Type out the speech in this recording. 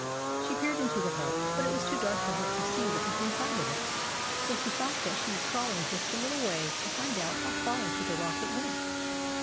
She peered into the hole ; but it was too dark for her to see what was inside of it, so she thought that she would crawl in just a little way to find out how far into the rock it went.